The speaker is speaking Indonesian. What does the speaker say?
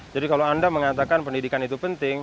jadi kalau anda mengatakan pendidikan itu penting